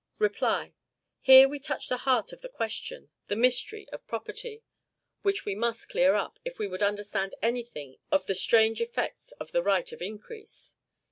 REPLY. Here we touch the heart of the question, the mystery of property; which we must clear up, if we would understand any thing of the strange effects of the right of increase.